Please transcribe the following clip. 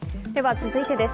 続いてです。